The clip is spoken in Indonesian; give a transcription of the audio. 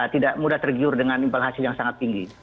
tidak mudah tergiur dengan imbal hasil yang sangat tinggi